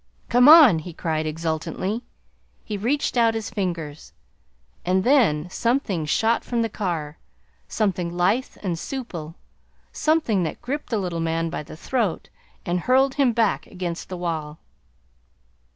"Come on!" he cried exultantly. He reached out his fingers and then something shot from the car, something lithe and supple, something that gripped the little man by the throat and hurled him back against the wall.